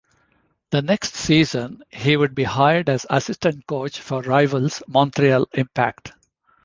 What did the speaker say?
The next season he would be hired as assistant coach for rivals Montreal Impact.